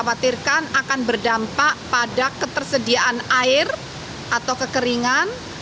dan dipatirkan akan berdampak pada ketersediaan air atau kekeringan